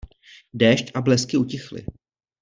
Déšť a blesky utichly.